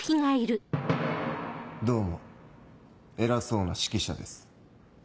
どうも偉そうな指揮者です。